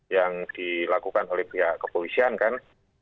yang dilakukan oleh pihak kepolisian kan